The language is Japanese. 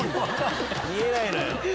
見えないのよ。